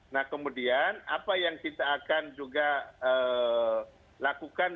nah kemudian apa yang kita akan juga lakukan